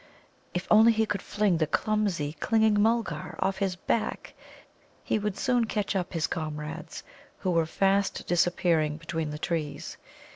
If only he could fling the clumsy, clinging Mulgar off his back he would soon catch up his comrades, who were fast disappearing between the trees.